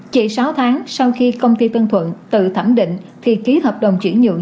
chỉ sáu tháng sau khi công ty tân thuận tự thẩm định thì ký hợp đồng chuyển nhượng